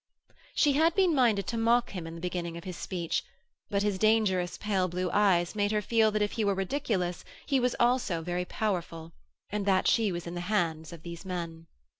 She had been minded to mock him in the beginning of his speech, but his dangerous pale blue eyes made her feel that if he were ridiculous he was also very powerful, and that she was in the hands of these men.